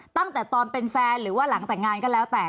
ตั้งแต่ตอนเป็นแฟนหรือว่าหลังแต่งงานก็แล้วแต่